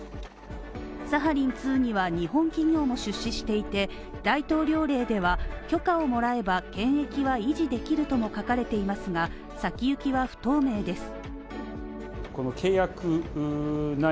サハリン２には日本企業も出資していて大統領令では許可をもらえば検疫は維持できるとも書かれていますが、先行きは不透明です。